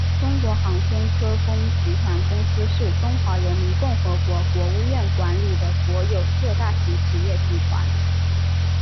中国航天科工集团公司是中华人民共和国国务院管理的国有特大型企业集团。